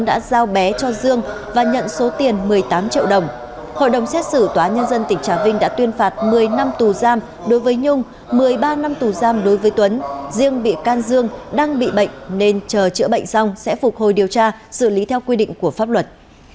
dương bị can dương đang bị bệnh nên chờ chữa bệnh xong sẽ phục hồi điều tra xử lý theo quy định của pháp luật